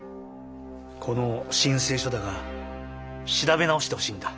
この申請書だが調べ直してほしいんだ。